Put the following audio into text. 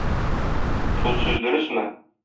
Шул сүз дөресме?